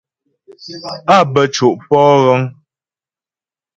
Á bə́ co' pɔ'o ghəŋ.